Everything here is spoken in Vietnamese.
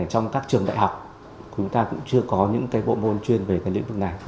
trong các trường đại học chúng ta cũng chưa có những bộ môn chuyên về cái lĩnh vực này